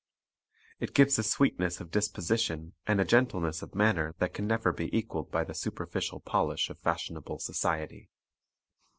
It gives a sweetness of disposition and a gentleness of manner that can never be equaled by the superficial polish of fashionable society.